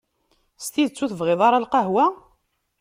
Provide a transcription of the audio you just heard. S tidet ur tebɣiḍ ara lqahwa?